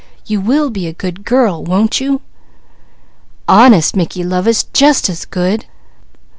You will be a good girl, won't you?" "Honest, Mickey lovest, jus' as good."